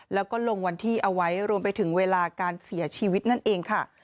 แล้วก็ลงวันที่เอาไว้รวมไปถึงเวลาการเสียชีวิตนั่นเองค่ะ